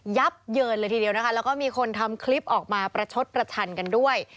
ับเยินเลยทีเดียวนะคะแล้วก็มีคนทำคลิปออกมาประชดประชันกันด้วย